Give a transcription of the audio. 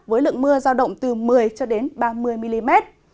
với lượng mưa giao động từ một mươi ba mươi mm